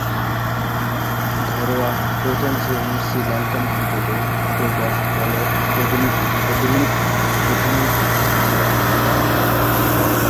ঘরোয়া প্রথম-শ্রেণীর শ্রীলঙ্কান ক্রিকেটে কোল্টস দলের প্রতিনিধিত্ব করছেন।